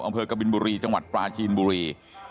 อำเภอกบินบุรีจังหวัดปลาจีนบุรี